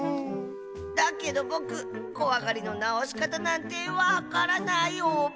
だけどぼくこわがりのなおしかたなんてわからないオバ。